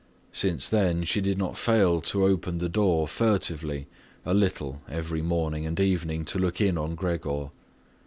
Since then she did not fail to open the door furtively a little every morning and evening to look in on Gregor.